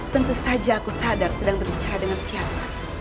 tentu saja aku sadar sedang berbicara dengan siapa